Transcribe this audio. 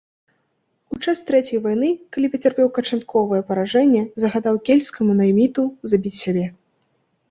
У час трэцяй вайны, калі пацярпеў канчатковае паражэнне, загадаў кельцкаму найміту забіць сябе.